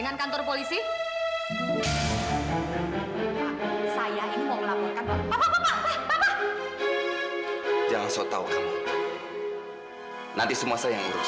nanti semua saya yang urus